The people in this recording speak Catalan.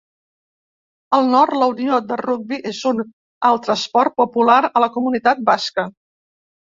Al nord, la unió de rugbi és un altre esport popular a la comunitat basca.